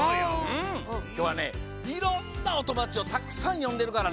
きょうはねいろんなおともだちをたくさんよんでるからね